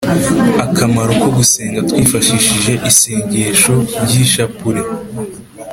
akamaro ko gusenga twifashishije isengesho ry’ishapule